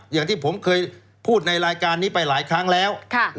อย่างที่ผมเคยพูดในรายการนี้ไปหลายครั้งแล้ว